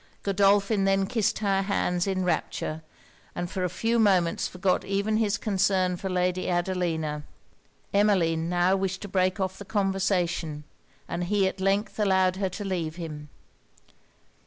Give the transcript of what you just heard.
Godolphin then kissed her hands in rapture; and for a few moments forgot even his concern for Lady Adelina. Emmeline now wished to break off the conversation; and he at length allowed her to leave him.